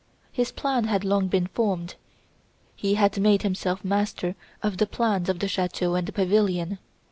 His plan had long been formed. He had made himself master of the plans of the chateau and the pavilion.